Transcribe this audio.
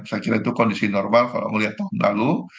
saya kira itu kondisi normal kalau melihat tahun lalu